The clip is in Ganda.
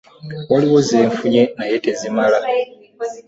Waliwo ze nfunye naye tezimala.